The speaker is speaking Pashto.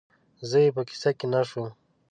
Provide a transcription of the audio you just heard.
زه یې په قصه کې نه شوم